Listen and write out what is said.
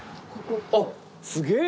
あっすげぇ。